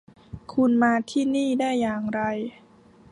คุณมาที่นี่ได้อย่างไร